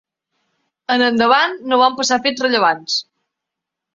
En endavant no van passar fets rellevants.